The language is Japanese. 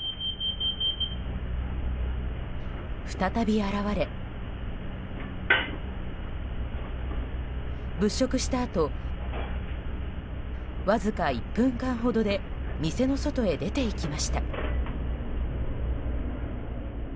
再び現れ、物色したあとわずか１分間ほどで店の外へ出ていきました。